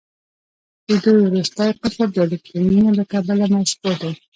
د دوی وروستی قشر د الکترونونو له کبله مشبوع دی.